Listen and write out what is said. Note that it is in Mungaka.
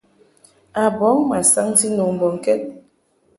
A bɔŋ ma saŋti nu mbɔŋkɛd.